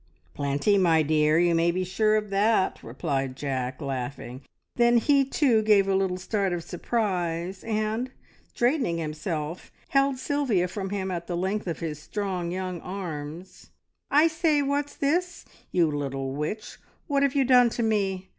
"Plenty, my dear! You may be sure of that," replied Jack, laughing; then he, too, gave a little start of surprise, and, straightening himself, held Sylvia from him at the length of his strong young arms. "I say what's this? You little witch, what have you done to me?